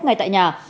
ngay tại nhà